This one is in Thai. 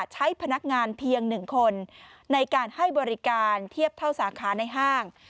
ใช้พนักงานเพียง๑คนในการให้บริการเทียบเท่าสาขาในห้าง